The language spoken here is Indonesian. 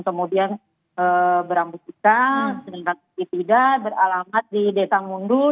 kemudian berambut kucang beralamat di desa mundul